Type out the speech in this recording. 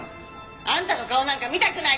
あんたの顔なんか見たくない。